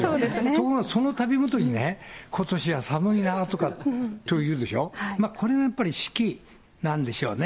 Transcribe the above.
ところがそのたびごとにね、ことしは寒いなあとか言うでしょ、これがやっぱり四季なんでしょうね。